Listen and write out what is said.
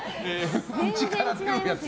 内から出るやつ。